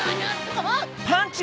あっ！